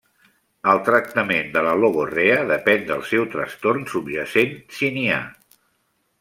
El tractament de la logorrea depèn del seu trastorn subjacent, si n'hi ha.